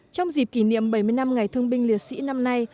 trong dịp kỷ niệm bảy mươi năm ngày thương binh liệt sĩ năm nay